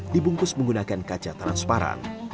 dibungkus menggunakan kaca transparan